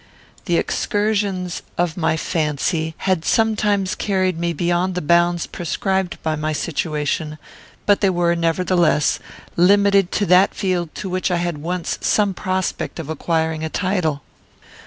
The excursions of my fancy had sometimes carried me beyond the bounds prescribed by my situation, but they were, nevertheless, limited to that field to which I had once some prospect of acquiring a title.